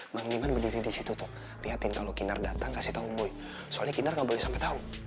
makniman berdiri disitu tuh liatin kalau kinar datang kasih tahu boy soalnya kinar gak boleh sampai tahu